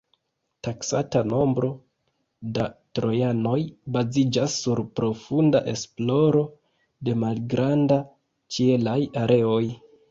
Taksata nombro da trojanoj baziĝas sur profunda esploro de malgranda ĉielaj areoj.